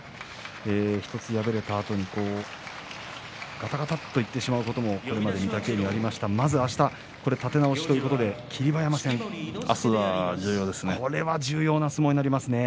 １つ敗れたあとにがたがたといってしまうことがこれまでの御嶽海にありましたがまずは明日は立て直すということで霧馬山戦これが重要な相撲になりますね。